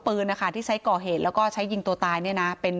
ปืนนะคะที่ใช้ก่อเหตุแล้วก็ใช้ยิงตัวตายเนี่ยนะเป็น